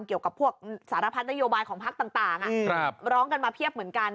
เกี่ยวกับพวกสารพัดนโยบายของพักต่างร้องกันมาเพียบเหมือนกัน